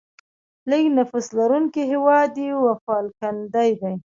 لیږ نفوس لرونکی هیواد یې وفالکلند دی.